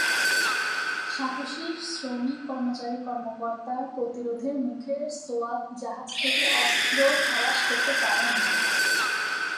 সাহসী শ্রমিক কর্মচারী কর্মকর্তার প্রতিরোধের মুখে সোয়াত জাহাজ থেকে অস্ত্র খালাস করতে পারে নাই।